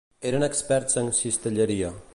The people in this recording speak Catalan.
Eren experts en la cistelleria.